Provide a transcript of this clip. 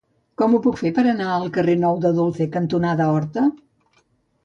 Com ho puc fer per anar al carrer Nou de Dulce cantonada Horta?